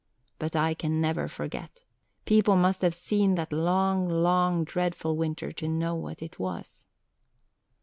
But I can never forget. People must have seen that long, long dreadful winter to know what it was."